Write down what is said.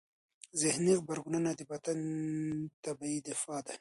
ذهني غبرګونونه د بدن طبیعي دفاع دی.